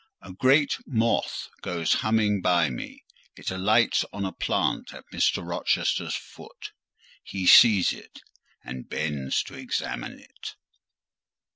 A great moth goes humming by me; it alights on a plant at Mr. Rochester's foot: he sees it, and bends to examine it.